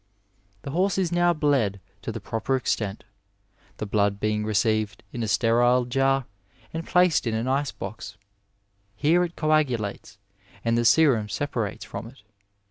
The horse is now bled to the proper extent, the blood being received in a sterile jar and placed in an ice box. Here it coagulates, and the serum separates from it.